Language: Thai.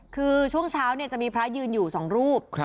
คือช่วงเช้าจะมีพระยืนอยู่๒รูป